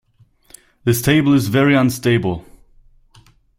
This table is very unstable.